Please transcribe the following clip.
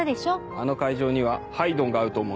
あの会場にはハイドンが合うと思うんです。